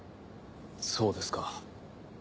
そうですか。